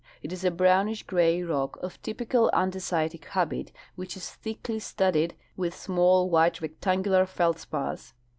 It is a brownish gray rock of typical andesitic habit, which is thickly studded Avith small white rectangular feldspars.